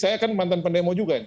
saya kan mantan pendemo juga ini